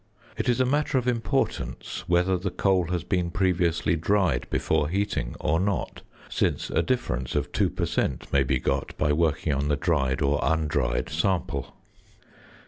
It is a matter of importance whether the coal has been previously dried before heating or not, since a difference of 2 per cent. may be got by working on the dried or undried sample.